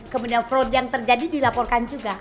kemudian fraud yang terjadi dilaporkan juga